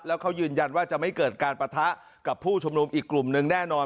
แล้วเขายืนยันว่าจะไม่เกิดการปะทะกับผู้ชุมนุมอีกกลุ่มนึงแน่นอน